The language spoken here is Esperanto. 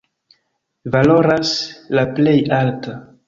Valoras la plej alta.